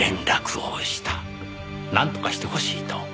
なんとかしてほしいと。